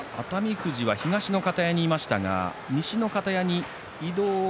富士は東の方屋にいましたが西の方屋に移動。